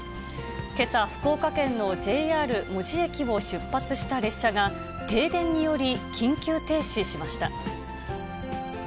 けさ、福岡県のＪＲ門司駅を出発した列車が、停電により、緊急停止しました。